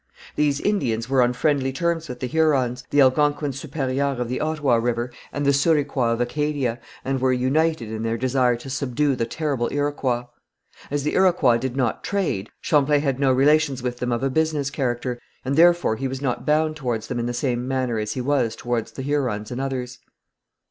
These Indians were on friendly terms with the Hurons, the Algonquins Supérieurs of the Ottawa river, and the Souriquois of Acadia, and were united in their desire to subdue the terrible Iroquois. As the Iroquois did not trade, Champlain had no relations with them of a business character, and therefore he was not bound towards them in the same manner as he was towards the Hurons and others.